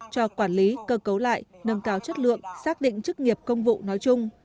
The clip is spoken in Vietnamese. cho quản lý cơ cấu lại nâng cao chất lượng xác định chức nghiệp công vụ nói chung